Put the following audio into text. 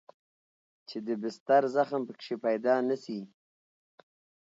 چې د بستر زخم پکښې پيدا نه سي.